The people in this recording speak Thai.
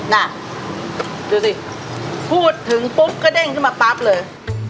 น่ะดูสิพูดถึงปุ๊บกระเด้งขึ้นมาปั๊บเลย